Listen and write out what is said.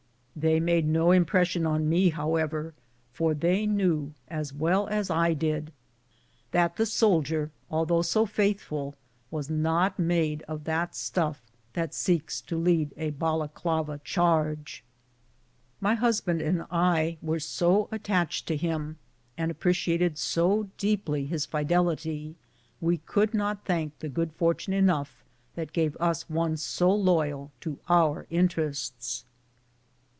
They made no impression on me, however, for they knew as well as I did that the soldier, though so faith ful, was not made of that stuff that seeks to lead a Bal aklava charge. 70 BOOTS AND SADDLES. My husband and I were so attached to him, and ap preciated so deeply his fidelity, we could not thank the good fortune enough that gave us one so loyal to our interests.